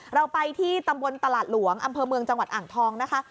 เราไปที่ตำบลตลาดหลวงอำเภอเมืองจังหวัดอ่างทองนะคะ